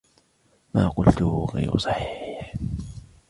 ما قلته غير صحيح.